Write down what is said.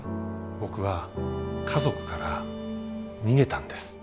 僕は家族から逃げたんです。